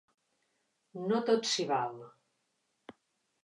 No tot s'hi val.